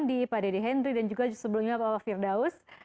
terima kasih pak deddy hendry dan juga sebelumnya pak firdaus